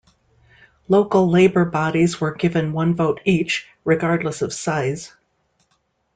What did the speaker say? Local labor bodies were given one vote each, regardless of size.